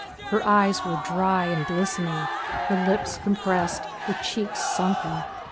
Her eyes were dry and glistening, her lips compressed, her cheeks sunken.